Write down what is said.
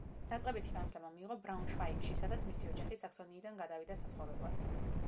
დაწყებითი განათლება მიიღო ბრაუნშვაიგში, სადაც მისი ოჯახი საქსონიიდან გადავიდა საცხოვრებლად.